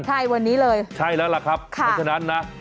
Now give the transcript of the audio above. ใช่วันนี้เลยใช่แล้วแหละครับฉะนั้นนะ